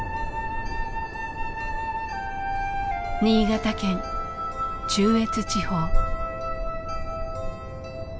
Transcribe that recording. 新潟県中越地方。